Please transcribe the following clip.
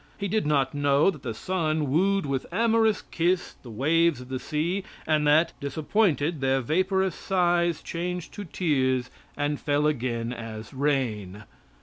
He did not know that the sun wooed with amorous kiss the waves of the sea, and that, disappointed, their vaporous sighs changed to tears and fell again as rain.